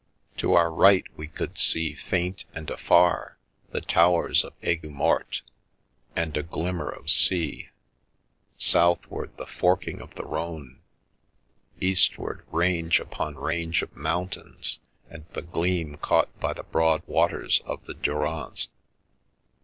To our right we could see, faint and afar, the towers of Aigues Mortes and a glimmer of sea; southward the forking of the Rhone; eastward range upon range of mountains and the gleam caught by the broad waters of the Durance.